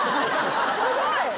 すごい！